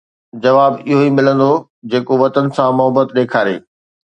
جواب اهو ئي ملندو جيڪو وطن سان محبت ڏيکاري